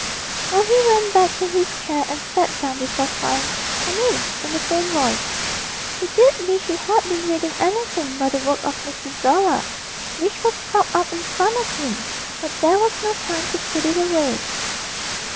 So he ran back to his chair and sat down before crying 'Come in' in a faint voice. He did wish he had been reading anything but the work of M. Zola, which was propped up in front of him, but there was no time to put it away.